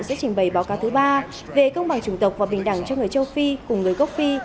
sẽ trình bày báo cáo thứ ba về công bằng chủng tộc và bình đẳng cho người châu phi cùng người gốc phi